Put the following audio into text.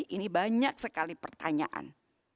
ini banyak sekali pertanyaan